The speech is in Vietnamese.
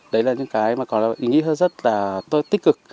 đấy là những cái mà có ý nghĩa rất là tích cực